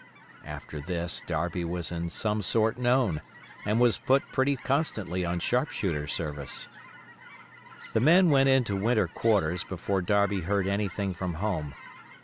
After this Darby was in some sort known, and was put pretty constantly on sharp shooter service. The men went into winter quarters before Darby heard anything from home.